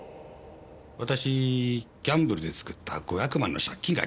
私ギャンブルで作った５００万の借金がありましてね